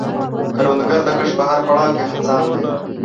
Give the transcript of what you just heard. کروندګر د کښت په هر پړاو کې هڅاند دی